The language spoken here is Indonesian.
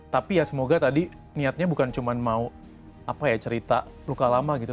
tapi ya semoga tadi niatnya bukan cuma mau apa ya cerita luka lama gitu